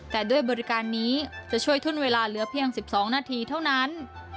แต่ด้วยบริการนี้จะช่วยทุ่นเวลาเหลือเพียง๑๒นาทีเท่านั้น